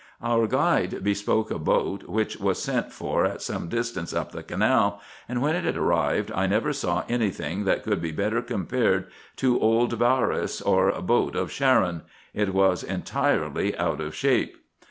Our guide bespoke a boat, which was sent for at some distance up the canal, and when it arrived I never saw any thing that could be better compared to old Baris*, or boat of Charon : it was entirely out of shape.